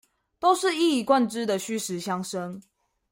都是一以貫之的虛實相生